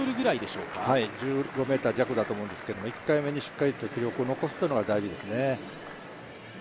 １５ｍ弱だと思うんですけど、１回目にしっかりと記録を残すのが大事ですね。